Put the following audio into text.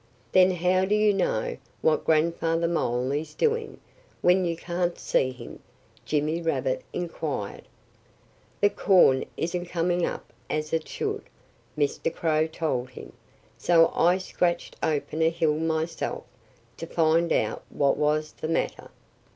"Then how do you know what Grandfather Mole is doing, when you can't see him?" Jimmy Rabbit inquired. "The corn isn't coming up as it should," Mr. Crow told him. "So I scratched open a hill myself, to find out what was the matter."